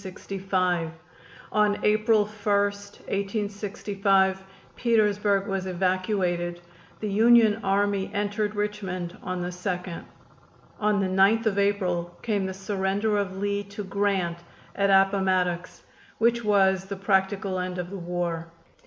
On April 1, 1865, Petersburg was evacuated, the Union Army entered Richmond on the 2d. On the 9th of April came the surrender of Lee to Grant at Appomattox, which was the practical end of the war.